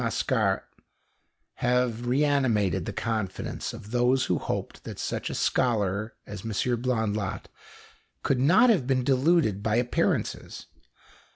Mascart have reanimated the confidence of those who hoped that such a scholar as M. Blondlot could not have been deluded by appearances.